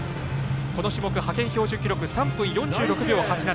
この種目派遣標準記録３分４６秒８７。